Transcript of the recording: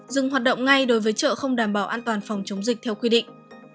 dừng hoạt động ngay đối với chợ không đảm bảo an toàn phòng chống dịch theo quy định